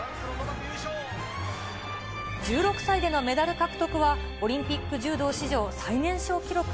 １６歳でのメダル獲得はオリンピック柔道史上最年少記録。